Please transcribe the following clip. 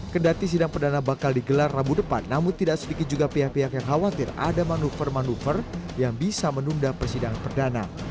kendati sidang perdana bakal digelar rabu depan namun tidak sedikit juga pihak pihak yang khawatir ada manuver manuver yang bisa menunda persidangan perdana